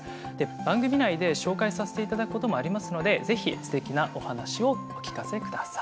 番組内で紹介させていただくこともありますので是非すてきなお話をお聞かせください。